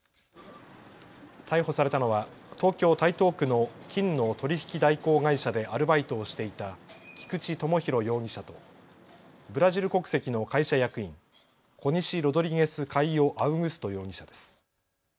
逮捕されたのは東京台東区の金の取引代行会社でアルバイトをしていた菊地友博容疑者とブラジル国籍の会社役員、コニシ・ロドリゲス・カイオ・アウグスト容疑者です。